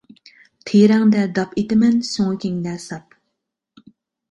تېرەڭدە داپ ئېتىمەن، سۆڭىكىڭدە ساپ.